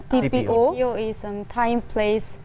tpo adalah occupation time place